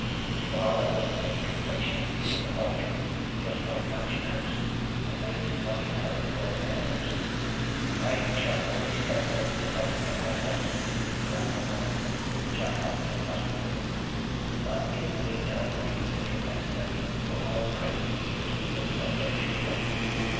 His father was a great confectioner in the Poultry, just by the Mansion House, and made his money out of Lord Mares. I shall only stay with him till I can get myself suited in the rank of life in which I have been accustomed to move; but in the meantime I consider it necessary for my own credit to do things as they should be.